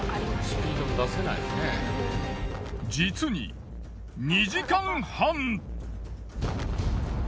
実に２時間半。